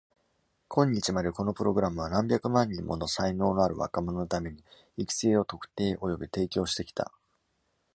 今日までこのプログラムは、何百万人もの才能のある若者のために、育成を特定および提供してきた。